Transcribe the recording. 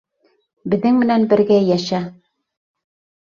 Беҙҙең менән бергә йәшә.